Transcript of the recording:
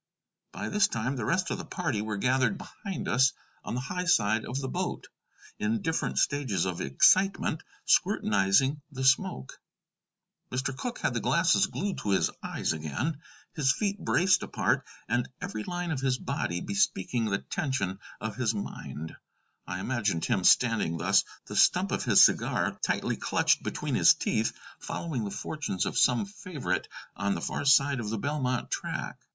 By this time the rest of the party were gathered behind us on the high side of the boat, in different stages of excitement, scrutinizing the smoke. Mr. Cooke had the glasses glued to his eyes again, his feet braced apart, and every line of his body bespeaking the tension of his mind. I imagined him standing thus, the stump of his cigar tightly clutched between his teeth, following the fortunes of some favorite on the far side of the Belmont track.